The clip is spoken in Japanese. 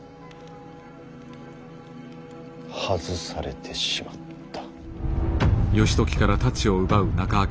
外されてしまった。